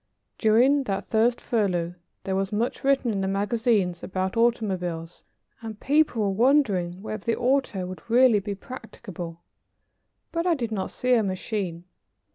During that first furlough, there was much written in the magazines about automobiles, and people were wondering whether the auto would really be practicable, but I did not see a machine.